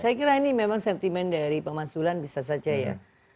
saya kira ini memang sentimen dari pemaksulan bisa saja ya